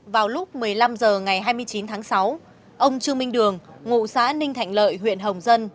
vào lúc một mươi năm h ngày hai mươi chín tháng sáu ông trương minh đường ngụ xã ninh thạnh lợi huyện hồng dân